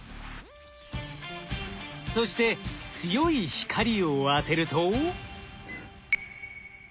そして強い光を当てると。